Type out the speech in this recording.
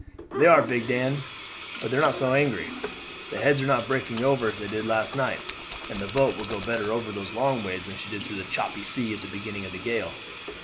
"They are big, Dan; but they are not so angry. The heads are not breaking over as they did last night, and the boat will go better over those long waves than she did through the choppy sea at the beginning of the gale."